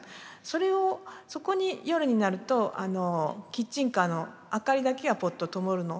それをそこに夜になるとキッチンカーの明かりだけがぽっとともるの。